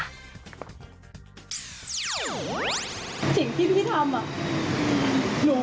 หนูคอให้กฎหมายเป็นตัวอัศสิน